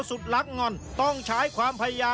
สุดท้ายของพ่อต้องรักมากกว่านี้ครับ